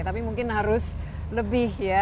tapi mungkin harus lebih ya